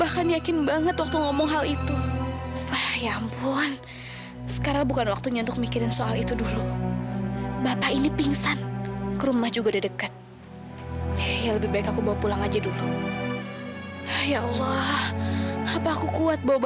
sampai jumpa di video selanjutnya